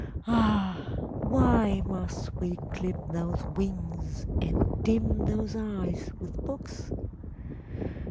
Ah! why must we clip those wings and dim those eyes with books?